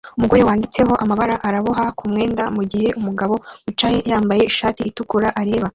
Umugore wanditseho amabara araboha ku mwenda mugihe umugabo wicaye yambaye ishati itukura areba